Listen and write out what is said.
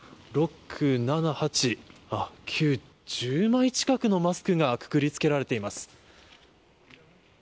１、２、３、４、５６、７、８９、１０枚近くのマスクがくくりつけられています。